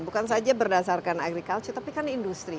bukan saja berdasarkan agriculture tapi kan industri